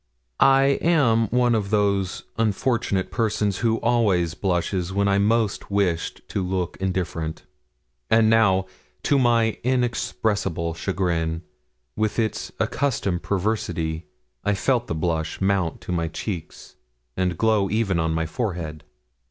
I am one of those unfortunate persons who always blushed when I most wished to look indifferent; and now, to my inexpressible chagrin, with its accustomed perversity, I felt the blush mount to my cheeks, and glow even on my forehead.